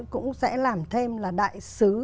cũng sẽ làm thêm là đại sứ